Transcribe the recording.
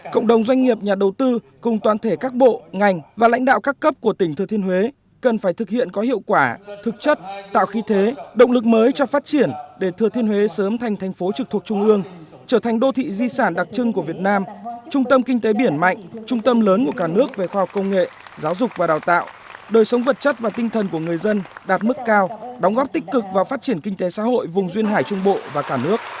cộng đồng doanh nghiệp nhà đầu tư cùng toàn thể các bộ ngành và lãnh đạo các cấp của tỉnh thừa thiên huế cần phải thực hiện có hiệu quả thực chất tạo khí thế động lực mới cho phát triển để thừa thiên huế sớm thành thành phố trực thuộc trung ương trở thành đô thị di sản đặc trưng của việt nam trung tâm kinh tế biển mạnh trung tâm lớn của cả nước về khoa học công nghệ giáo dục và đào tạo đời sống vật chất và tinh thần của người dân đạt mức cao đóng góp tích cực vào phát triển kinh tế xã hội vùng duyên hải trung bộ và cả nước